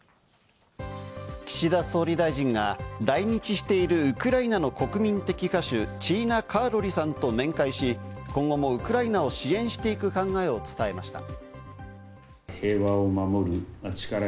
岸田総理大臣が来日しているウクライナの国民的歌手、チーナ・カーロリさんと面会し、今後もウクライナを支援していく考えを伝えました。